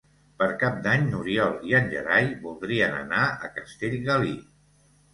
Per Cap d'Any n'Oriol i en Gerai voldrien anar a Castellgalí.